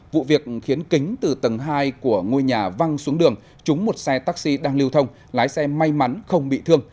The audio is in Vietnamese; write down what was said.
vụ việc khiến kính từ tầng hai của ngôi nhà văng xuống đường trúng một xe taxi đang lưu thông lái xe may mắn không bị thương